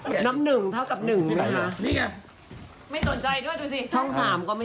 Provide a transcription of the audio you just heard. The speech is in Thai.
ช่อง๓ก็ไม่ใช่เหรอคะ